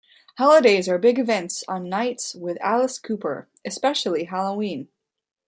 Holidays are big events on "Nights with Alice Cooper", especially Halloween.